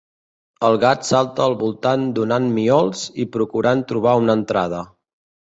El gat salta al voltant donant miols i procurant trobar una entrada.